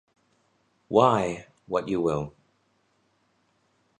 Why, what you will.